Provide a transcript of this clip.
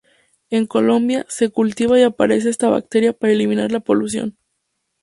En Colombia, se cultiva y esparce esta bacteria para eliminar la polución.